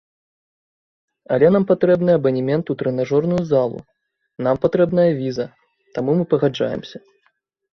Але нам патрэбны абанемент у трэнажорную залу, нам патрэбная віза, таму мы пагаджаемся.